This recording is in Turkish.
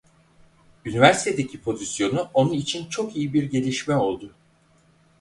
Üniversitedeki pozisyonu onun için çok iyi bir gelişme oldu.